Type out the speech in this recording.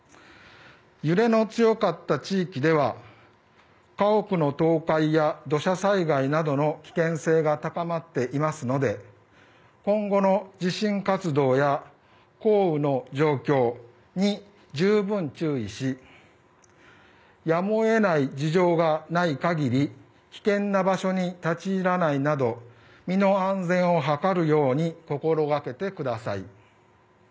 揺れの強かった地域では家屋の倒壊や土砂災害などの危険性が高まっていますので今後の地震活動や降雨の状況に十分注意しやむを得ない事情がない限り危険な場所に立ち入らないなど身の安全をはかるように心がけてください。